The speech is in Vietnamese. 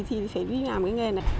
thì phải đi làm cái nghề này